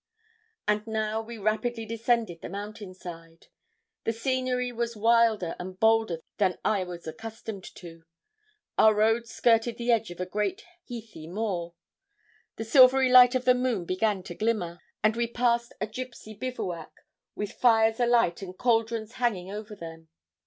And now we rapidly descended the mountain side. The scenery was wilder and bolder than I was accustomed to. Our road skirted the edge of a great heathy moor. The silvery light of the moon began to glimmer, and we passed a gipsy bivouac with fires alight and caldrons hanging over them.